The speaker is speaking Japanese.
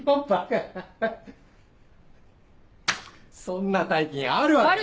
そんな大金あるわけ。